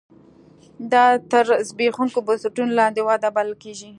دا تر زبېښونکو بنسټونو لاندې وده بلل کېږي.